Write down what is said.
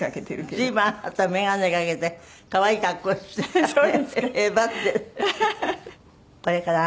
随分あなた眼鏡かけて可愛い格好してるわね。